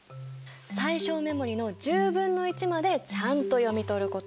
最小目盛りの１０分の１までちゃんと読みとること。